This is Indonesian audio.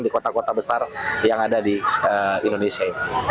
di kota kota besar yang ada di indonesia ini